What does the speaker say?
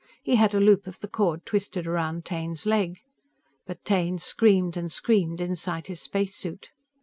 He had a loop of the cord twisted around Taine's leg. But Taine screamed and screamed inside his spacesuit.